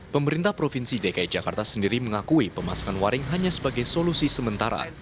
pemerintah provinsi dki jakarta sendiri mengakui pemasangan waring hanya sebagai solusi sementara